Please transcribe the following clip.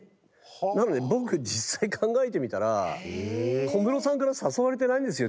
なので僕実際考えてみたら小室さんから誘われてないんですよ